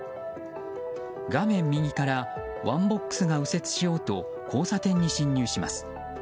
画面右からワンボックスが右折しようと交差点に進入します。